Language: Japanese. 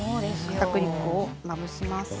かたくり粉をまぶします。